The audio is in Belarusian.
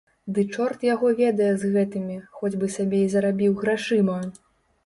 Ды чорт яго ведае з гэтымі, хоць бы сабе і зарабіў, грашыма?